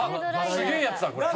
すげえやつだこれ。